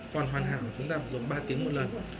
còn hoàn hảo chúng ta phải dùng ba tiếng một lần